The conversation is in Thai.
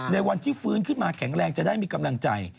ในวันที่ฟื้นขึ้นมาแข็งแรงจะได้มีกำลังใจ